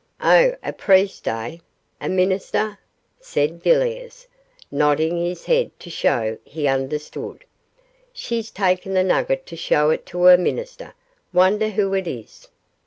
'Oh, a priest, eh? a minister?' said Villiers, nodding his head to show he understood. 'She's taken the nugget to show it to a minister! Wonder who it is?